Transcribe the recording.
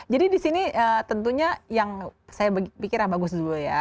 jadi disini tentunya yang saya pikirnya bagus dulu ya